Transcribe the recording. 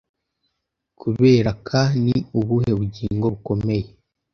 Kubereka Ni ubuhe bugingo bukomeye